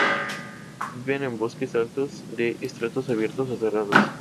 Viven en bosques altos de estratos abiertos o cerrados.